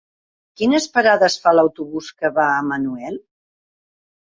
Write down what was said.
Quines parades fa l'autobús que va a Manuel?